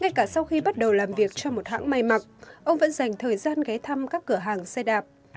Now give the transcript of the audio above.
ngay cả sau khi bắt đầu làm việc trong một hãng may mặc ông vẫn dành thời gian ghé thăm các cửa hàng xe đạp